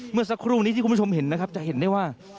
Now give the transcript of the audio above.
เมื่อสักครู่นี้ที่คุณผู้ชมเห็นนะครับจะเห็นได้ว่า